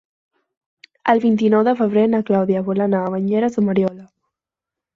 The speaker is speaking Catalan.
El vint-i-nou de febrer na Clàudia vol anar a Banyeres de Mariola.